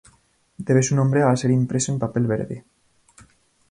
Debe su nombre a ser impreso en papel verde.